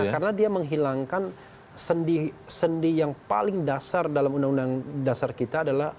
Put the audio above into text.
karena dia menghilangkan sendi yang paling dasar dalam undang undang dasar kita adalah